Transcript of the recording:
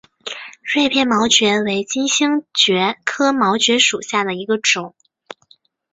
锐片毛蕨为金星蕨科毛蕨属下的一个种。